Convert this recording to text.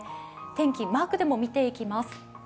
天気、マークでも見ていきます。